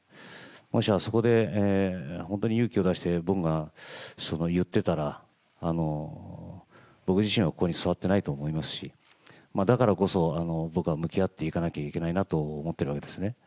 もしあそこで、本当に勇気を出して僕が言ってたら、僕自身はここに座ってないと思いますし、だからこそ、僕は向き合っていかなきゃいけないなと思っているわけですね。